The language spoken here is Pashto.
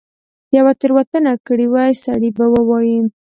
که یوه تیره وتنه کړې وي سړی به ووایي.